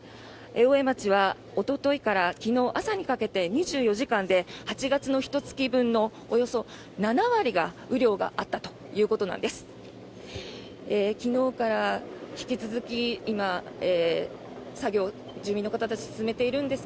大江町は、おとといから昨日朝にかけて２４時間で８月のひと月分のおよそ７割の雨量があったということなんです。